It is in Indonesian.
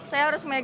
saya harus mega